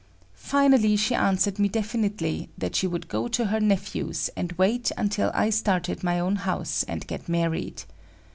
Finally she answered me definitely that she would go to her nephew's and wait until I started my own house and get married.